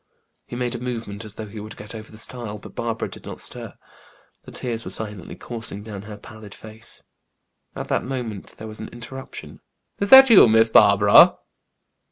He made a movement as though he would get over the stile, but Barbara did not stir; the tears were silently coursing down her pallid face. At that moment there was an interruption. "Is that you, Miss Barbara?"